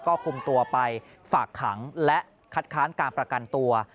ก็คุมตัวไปฝากขังและคัดค้านการประกันตัว